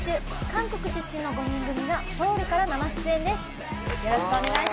韓国出身の５人組がソウルから生出演です。